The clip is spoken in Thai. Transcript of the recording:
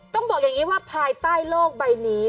ต้องบอกอย่างนี้ว่าภายใต้โลกใบนี้